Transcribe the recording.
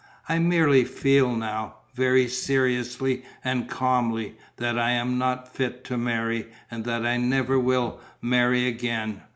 I merely feel now, very seriously and calmly, that I am not fit to marry and that I never will marry again.